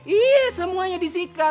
iya semuanya disikat